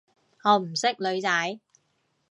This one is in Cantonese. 我唔識女仔